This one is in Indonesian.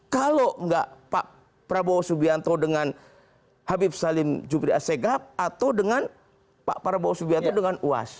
kalau nggak pak prabowo subianto dengan habib salim jupri asegaf atau dengan pak prabowo subianto dengan uas